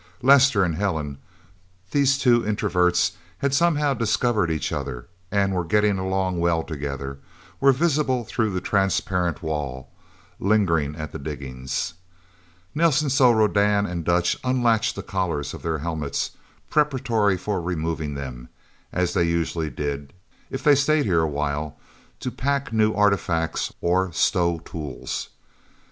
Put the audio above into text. Lester and Helen these two introverts had somehow discovered each other, and were getting along well together were visible through the transparent wall, lingering at the diggings. Nelsen saw Rodan and Dutch unlatch the collars of their helmets, preparatory for removing them, as they usually did if they stayed here a while, to pack new artifacts or stow tools.